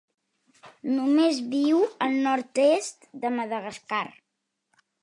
Només viu al nord-est de Madagascar.